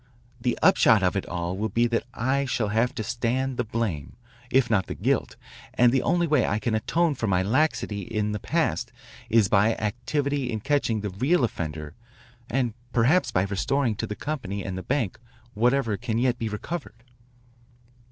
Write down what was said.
The upshot of it all will be that I shall have to stand the blame, if not the guilt, and the only way I can atone for my laxity in the past is by activity in catching the real offender and perhaps by restoring to the company and the bank whatever can yet be recovered."